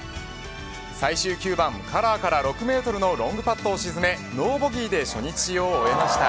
最終９番カラーから６メートルのロングパットを沈めノーボギーで初日を終えました。